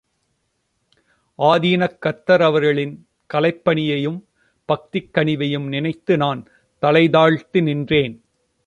ஆதீன கர்த்தர் அவர்களின் கலைப்பணியையும் பக்திக் கனிவையும் நினைத்து நான் தலை தாழ்த்தி நின்றேன்.